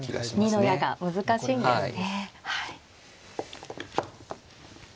二の矢が難しいんですね。